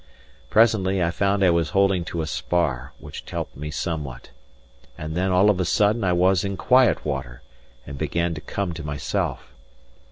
Presently, I found I was holding to a spar, which helped me somewhat. And then all of a sudden I was in quiet water, and began to come to myself.